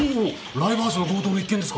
ライブハウスの強盗の一件ですか？